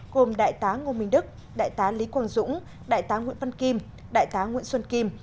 gồm đại tá ngô minh đức đại tá lý quang dũng đại tá nguyễn văn kim đại tá nguyễn xuân kim